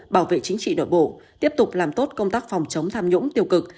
bảo vệ chính trị nội bộ tiếp tục làm tốt công tác phòng chống tham nhũng tiêu cực